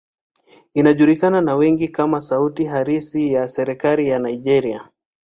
Inajulikana na wengi kama sauti halisi ya serikali ya Nigeria.